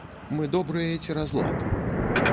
Мы добрыя цераз лад.